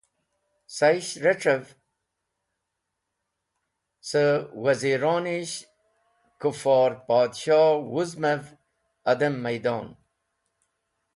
Sayish rec̃hev, sa wazironish, Kufor Podshoh wũzmev adem maydon.